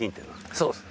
そうですね。